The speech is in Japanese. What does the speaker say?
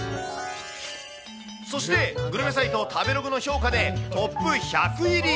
そして、グルメサイト、食べログの評価でトップ１００入り。